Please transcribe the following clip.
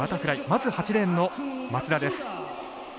まず８レーンの松田です。